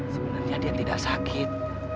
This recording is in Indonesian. sebenarnya dia tidak sakit